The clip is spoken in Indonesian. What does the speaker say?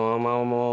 ada mah jullie